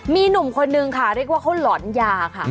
มีหนุ่มคนนึงค่ะเรียกว่าเขาหลอนยาค่ะ